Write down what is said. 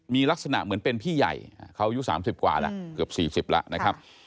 มีลักษณะเหมือนเป็นพี่ใหญ่เขาอายุ๓๐กว่าแล้วเกือบ๔๐แล้วนะครับ